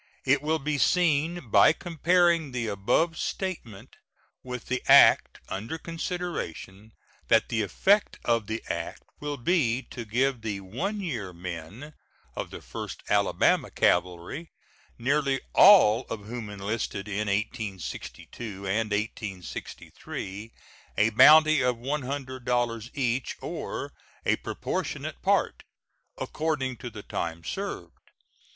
It will be seen by comparing the above statement with the act under consideration that the effect of the act will be to give the one year men of the First Alabama Cavalry, nearly all of whom enlisted in 1862 and 1863, a bounty of $100 each, or a proportionate part, according to the time served.